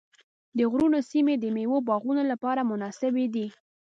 د غرونو سیمې د مېوو باغونو لپاره مناسبې دي.